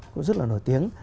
cũng rất là nổi tiếng